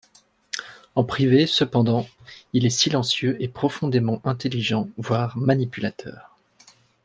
En privé, cependant, il est silencieux et profondément intelligent, voire manipulateur.